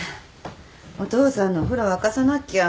お父さんのお風呂沸かさなきゃ。